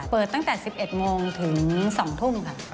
เปิดตั้งแต่๑๑โมงถึง๒ทุ่มค่ะ